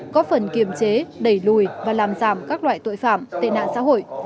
góp phần kiềm chế đẩy lùi và làm giảm các loại tội phạm tên nạn xã hội